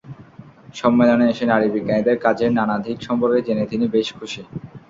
সম্মেলনে এসে নারী বিজ্ঞানীদের কাজের নানা দিক সম্পর্কে জেনে তিনি বেশ খুশি।